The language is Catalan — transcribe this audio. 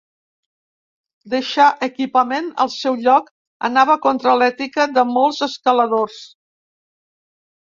Deixar equipament al seu lloc anava contra l'ètica de molts escaladors.